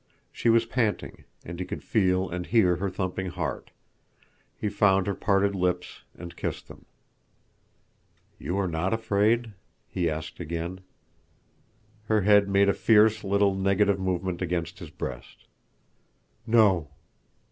She was panting, and he could feel and hear her thumping heart. He found her parted lips and kissed them. "You are not afraid?" he asked again. Her head made a fierce little negative movement against his breast. "No!"